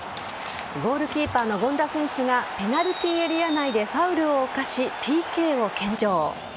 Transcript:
ゴールキーパーの権田選手がペナルティーエリア内でファウルを犯し、ＰＫを献上。